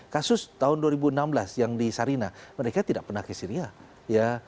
kasus tahun dua ribu enam belas yang di sarina mereka tidak pernah ke syria ya